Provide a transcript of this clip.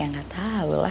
ya gak tau lah